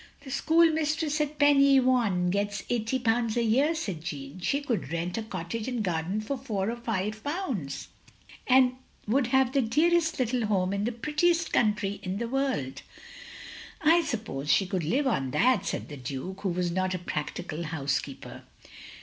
'* "The schoolmistress at Pen y waun gets eighty potmds a year," said Jeanne, "she could rent a cottage and garden for four or five pounds I 246 THE LONELY LADY and wotdd have the dearest little home in the prettiest cotintry in the world. " "I suppose she cotild live on that," said the Duke, who was not a practical hotisekeeper.